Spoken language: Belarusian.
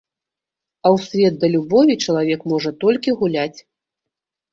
А ў свет да любові чалавек можа толькі гуляць.